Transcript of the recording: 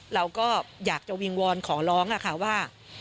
เราก็อยากจะวิงวอนขอร้องค่ะว่า